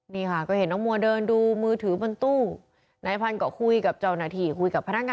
นี่ค่ะก็เห็นน้องมัวเดินดูมือถือบนตู้